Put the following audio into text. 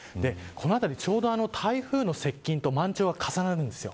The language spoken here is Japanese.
この辺りちょうど台風の接近と満潮が重なるんです。